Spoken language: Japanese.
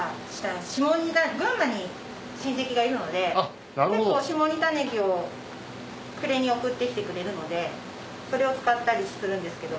下仁田群馬に親戚がいるので結構下仁田ネギを暮れに送ってきてくれるのでそれを使ったりするんですけど